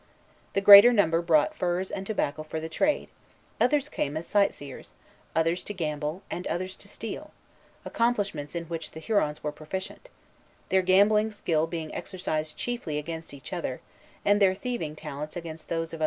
The greater number brought furs and tobacco for the trade; others came as sight seers; others to gamble, and others to steal, accomplishments in which the Hurons were proficient: their gambling skill being exercised chiefly against each other, and their thieving talents against those of other nations.